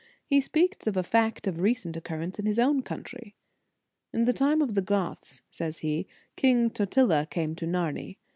He speaks of a fact of recent occurrence in his own country. "In the time of the Goths," says he, "King Totila came to Narni.